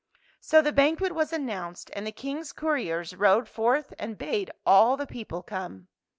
So the banquet was announced, and the King's couriers rode forth and bade all the people come.